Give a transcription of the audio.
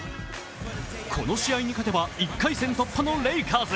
この試合に勝てば１回戦突破のレイカーズ。